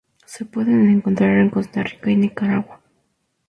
Se pueden encontrar en Costa Rica y Nicaragua.